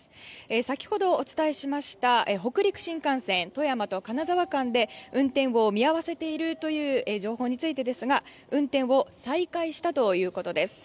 先ほどお伝えしました北陸新幹線、富山と金沢間で運転を見合わせているという情報についてですが運転を再開したということです。